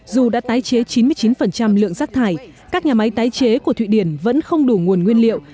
dù đã tái chế chín mươi chín lượng rác thải các nhà máy tái chế của thụy điển vẫn không đủ nguồn nguyên liệu